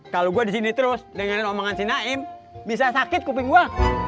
kalau gua disini terus dengerin omongan si naim bisa sakit kuping gua